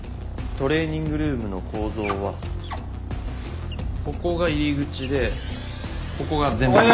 トレーニングルームの構造はここが入り口でここが全面窓。